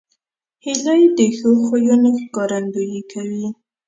هیلۍ د ښو خویونو ښکارندویي کوي